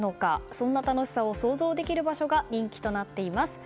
そんな楽しさを想像できる場所が人気となっています。